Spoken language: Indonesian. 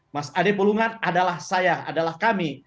mas ade pulungan adalah saya adalah kami